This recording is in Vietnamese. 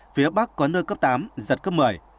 phía bắc có nơi cấp tám giật cấp một mươi